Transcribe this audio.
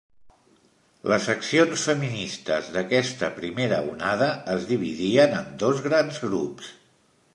Les accions feministes d'aquesta primera onada es dividien en dos grans grups.